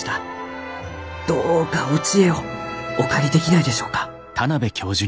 どうかお知恵をお借りできないでしょうか？